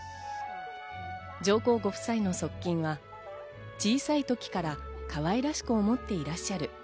上皇ご夫妻の側近は、小さい時からかわいらしく思っていらっしゃる。